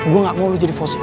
gue gak mau lu jadi fosil